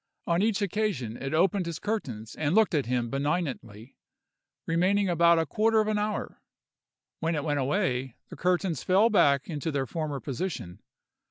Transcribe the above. On each occasion it opened his curtains and looked at him benignantly, remaining about a quarter of an hour. When it went away, the curtains fell back into their former position.